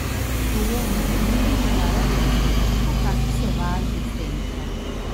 Tuvo una buena temporada pero su equipo casi se va al descenso.